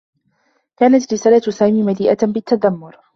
كانت رسالة سامي مليئة بالتّذمّر.